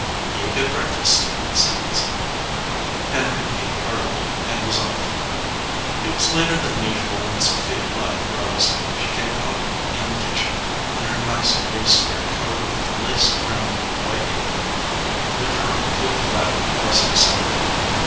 "Eat a good breakfast," said Lizzie. Henry ate heartily, and was off. It was later than usual when Sophia Ludd rose. She came out in the kitchen, in her nice gray skirt covered with a lace trimmed white apron, with her blue flannel dressing sack.